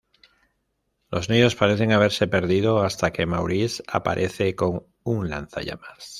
Los niños parecen haberse perdido hasta que Maurice aparece con un lanzallamas.